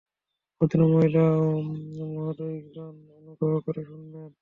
ভদ্রমহিলা ও মহোদয়গণ, অনুগ্রহ করে শুনবেন।